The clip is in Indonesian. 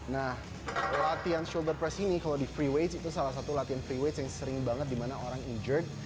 nah latihan shoulder press ini kalau di free weights itu salah satu latihan free weights yang sering banget dimana orang injured